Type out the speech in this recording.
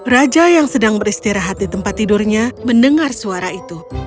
raja yang sedang beristirahat di tempat tidurnya mendengar suara itu